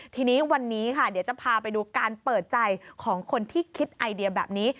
ทีนี้วันนี้ค่ะเดี๋ยวจะพาไปดูการเปิดใจของคนที่คิดไอเดียแบบนี้